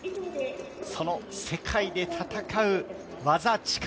その世界で戦う技、力。